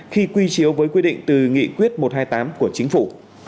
khi quy chiếu với quy định từ nghị quyết một trăm hai mươi tám của chính phủ